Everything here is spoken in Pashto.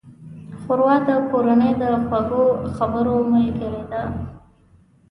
ښوروا د کورنۍ د خوږو خبرو ملګرې ده.